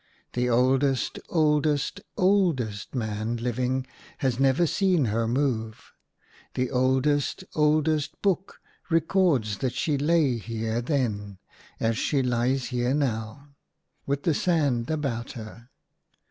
The oldest, oldest, oldest man living has never seen her move : the oldest, oldest book records that she lay here then, as she lies here now, with the sand about her.